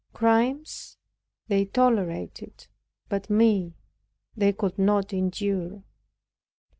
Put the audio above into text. Crimes they tolerated, but me they could not endure.